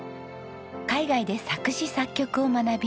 海外で作詞作曲を学び